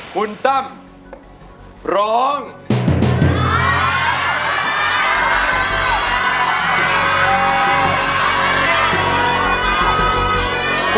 คุณตั้มร้องใจครับ